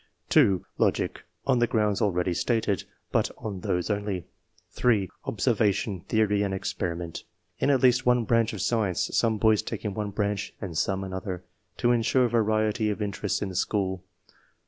2. Logic (on the grounds already stated, but on those only). 3. Observation, theory, and experiment, in at least one branch of science ; some boys taking one branch and some another, to ensure variety of interests in the school.